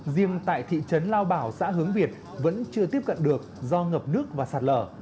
riêng tại thị trấn lao bảo xã hướng việt vẫn chưa tiếp cận được do ngập nước và sạt lở